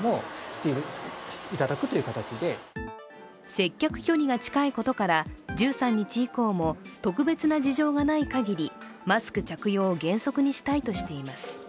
接客距離が近いことから１３日以降も特別な事情がないかぎりマスク着用を原則にしたいとしています。